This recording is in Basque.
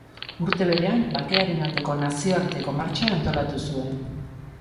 Urte berean, Bakearen aldeko Nazioarteko Martxa antolatu zuen.